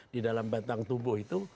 di dalam batang tubuh itu